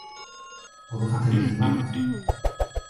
Podo facelas rimar.